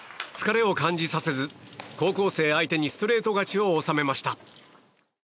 疲れを感じさせず高校生相手にストレート勝ちを収めました。